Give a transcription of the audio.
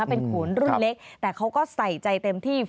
เป็นโขนรุ่นเล็กแต่เขาก็ใส่ใจเต็มที่